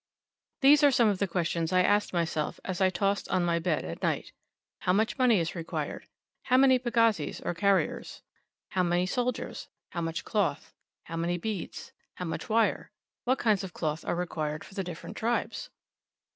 These are some of the questions I asked myself, as I tossed on my bed at night: "How much money is required?" "How many pagazis, or carriers? "How many soldiers?" "How much cloth?" "How many beads?" "How much wire?" "What kinds of cloth are required for the different tribes?"